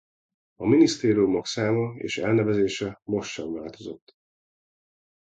A minisztériumok száma és elnevezése most sem változott.